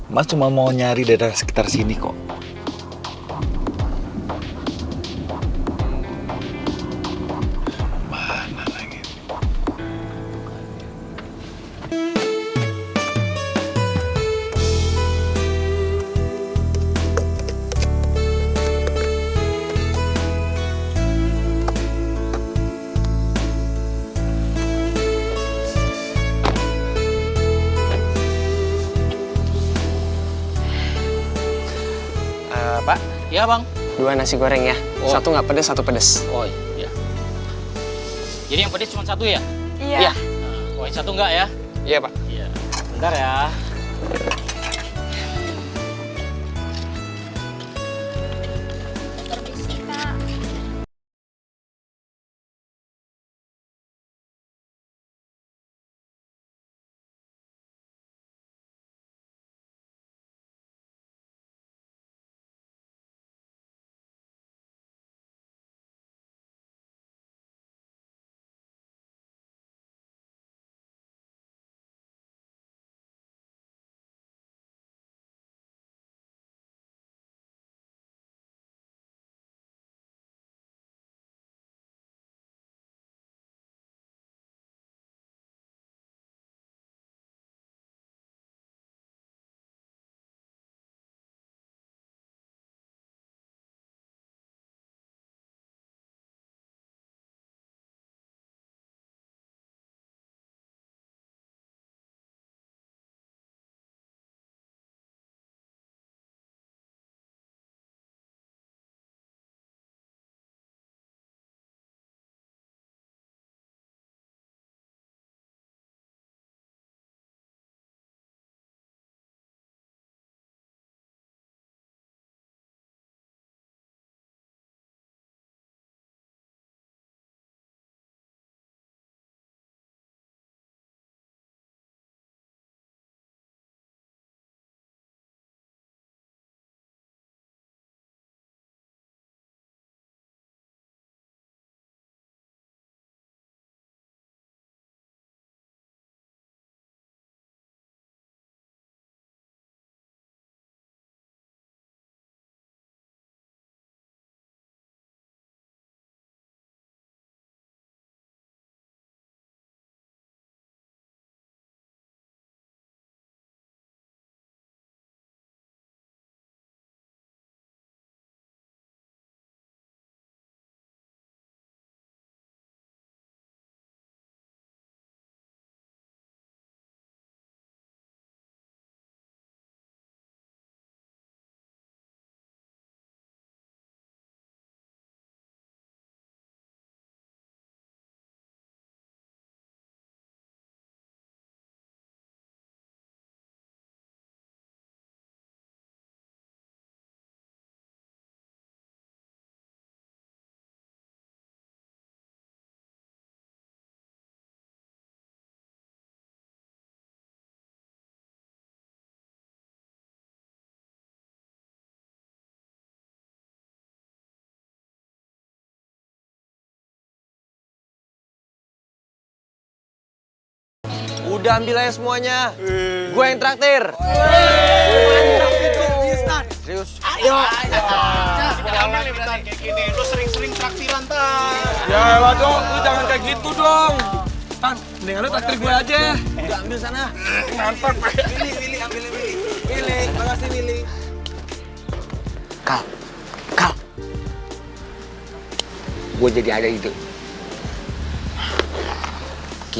mas cuma mau nyari daerah sekitar sini kok